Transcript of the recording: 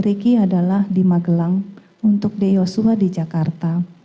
ricky adalah di magelang untuk d yosua di jakarta